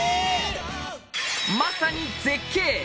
まさに絶景！